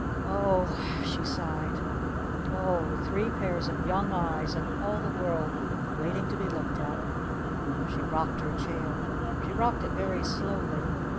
"O h," she sighed. "O h! Three pairs of Young Eyes and all the World waiting to be looked at!" She rocked her chair. She rocked it very slowly.